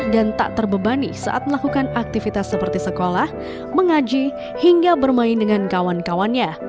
tak terbebani saat melakukan aktivitas seperti sekolah mengaji hingga bermain dengan kawan kawannya